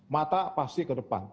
mata pasti ke depan